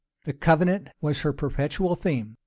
The covenant was her perpetual theme.